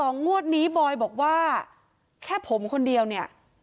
งวดนี้บอยบอกว่าแค่ผมคนเดียวเนี่ย